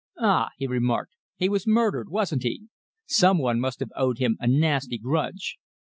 "Ah!" he remarked, "he was murdered, wasn't he? Some one must have owed him a nasty grudge.